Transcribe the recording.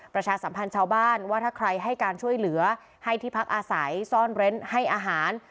ประชาสัมพันธ์ชาวบ้านว่าถ้าใครให้การช่วยเหลือให้ที่พักอาศัยซ่อนเร้นให้อาหาร